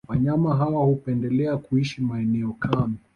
Wanyama hawa hupendelea kuishi maeneo kame